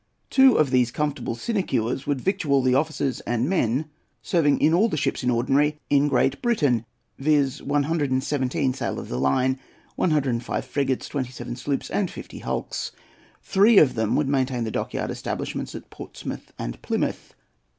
Two of these comfortable sinecures would victual the officers and men serving in all the ships in ordinary in Great Britain, viz. 117 sail of the line, 105 frigates, 27 sloops, and 50 hulks. Three of them would maintain the dockyard establishments at Portsmouth and Plymouth.